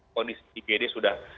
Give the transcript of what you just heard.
kondisi igd sudah